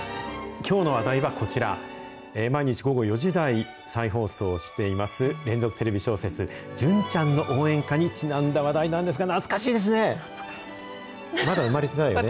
きょうの話題はこちら、毎日午後４時台、再放送しています、連続テレビ小説、純ちゃんの応援歌にちなんだ話題なんですが、懐かしいですね。